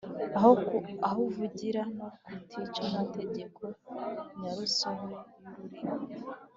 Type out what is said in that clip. aho avugira no kutica amategeko nyarusobe y’ururimi